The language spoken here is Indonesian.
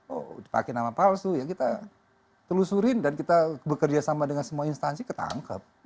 oh pakai nama palsu ya kita telusurin dan kita bekerja sama dengan semua instansi ketangkep